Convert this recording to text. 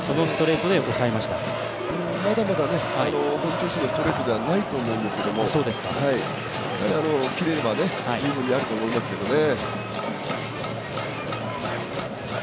まだまだ本調子のストレートじゃないと思うんですけどもキレは十分にあると思いますけどね。